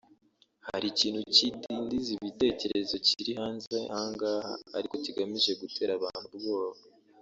”Hari ikintu cy’idindiza bitekerezo kiri hanze ahangaha ariko kigamije gutera abantu ubwoba